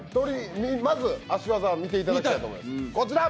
まず、足技見ていただきたいと思います、こちら！